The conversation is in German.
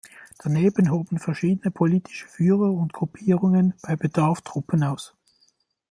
Daneben hoben verschiedene politische Führer und Gruppierungen bei Bedarf Truppen aus.